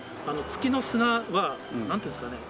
月の砂はなんていうんですかね